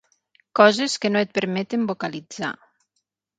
Coses que no et permeten vocalitzar.